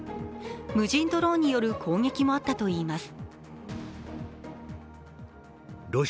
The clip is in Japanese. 無人ドローンによる攻撃もあったといいます。